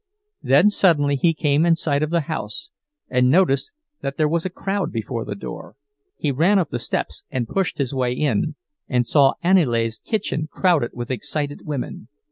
Then suddenly he came in sight of the house, and noticed that there was a crowd before the door. He ran up the steps and pushed his way in, and saw Aniele's kitchen crowded with excited women.